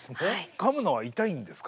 かむのは痛いんですか？